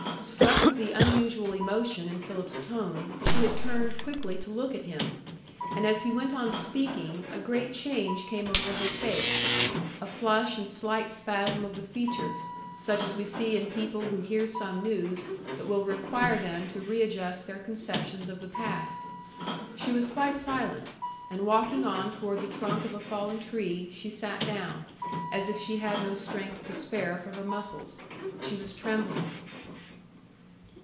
Struck with the unusual emotion in Philip's tone, she had turned quickly to look at him; and as he went on speaking, a great change came over her face,—a flush and slight spasm of the features, such as we see in people who hear some news that will require them to readjust their conceptions of the past. She was quite silent, and walking on toward the trunk of a fallen tree, she sat down, as if she had no strength to spare for her muscles. She was trembling.